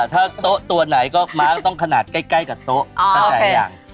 ถ้าโต๊ะตัวไหนก็ม้าต้องขนาดใกล้กับโต๊ะสักแห่ง